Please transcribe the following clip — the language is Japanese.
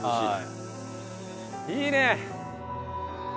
いいね！